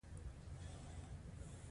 د امنیت ټینګول هم په دندو کې راځي.